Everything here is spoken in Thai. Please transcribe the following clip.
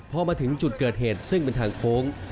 พอมาถึงจุดเกิดเหตุซึ่งเป็นทางโค้ง